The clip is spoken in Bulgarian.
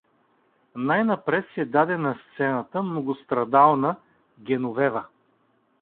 Най-напред се даде на сцената Многострадална Геновева.